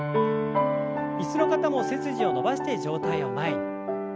椅子の方も背筋を伸ばして上体を前に。